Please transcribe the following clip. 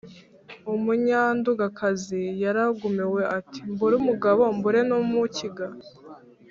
Umunyandugakazi yaragumiwe ati: mbure umugabo mbure n’umukiga?